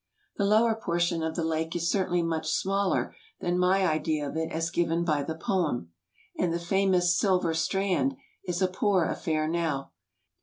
The lower portion of the lake is certainly much smaller than my idea of it as given by the poem. And the famous 'Silver Strand' is a poor affair now.